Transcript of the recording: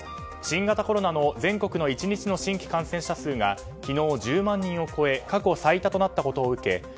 新型コロナの全国の１日の新規感染者数が昨日、１０万人を超え過去最多となったことを受け